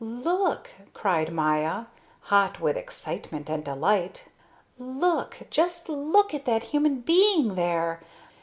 "Look!" cried Maya, hot with excitement and delight. "Look, just look at that human being there.